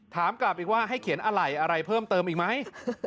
ถามกลับอีกว่าให้เขียนอะไรอะไรเพิ่มเติมอีกไหม